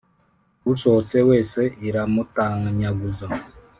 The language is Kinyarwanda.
Usohotse wese iramutanyaguza